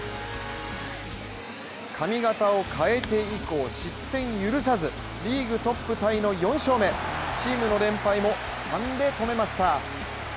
髪形を変えて以降、失点許さずリーグトップタイの４勝目、チームの連敗も３で止めました。